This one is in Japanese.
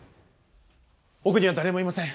奥には誰もいません。